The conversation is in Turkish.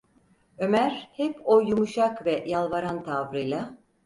Ömer hep o yumuşak ve yalvaran tavrıyla: